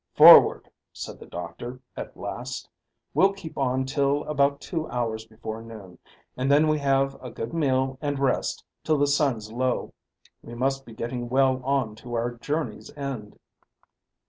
"Forward," said the doctor, at last. "We'll keep on till about two hours before noon, and then have a good meal and rest till the sun's low. We must be getting well on to our journey's end."